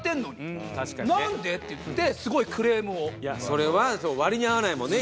それは割に合わないもんね。